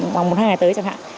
khoảng một hai ngày tới chẳng hạn